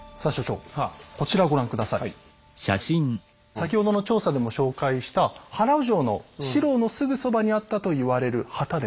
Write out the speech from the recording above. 先ほどの調査でも紹介した原城の四郎のすぐそばにあったと言われる旗です。